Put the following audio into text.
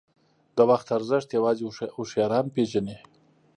• د وخت ارزښت یوازې هوښیاران پېژني.